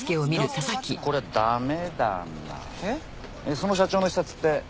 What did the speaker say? その社長の視察って？